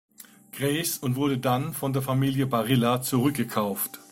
Grace und wurde dann von der Familie Barilla zurückgekauft.